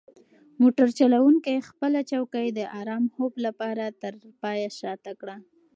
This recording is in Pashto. موټر چلونکی خپله چوکۍ د ارام خوب لپاره تر پایه شاته کوي.